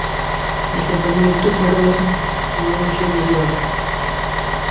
বেশিরভাগ মৃত্যুর ঘটনা উন্নয়নশীল দেশে ঘটে।